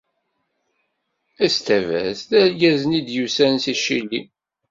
Estévez d argaz-nni i d-yusan seg Cili.